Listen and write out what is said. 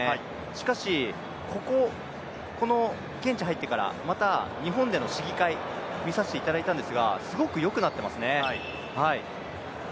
しかし、この現地入ってからまた日本での試技会、見させてもらったんですがすごくよくなってますね。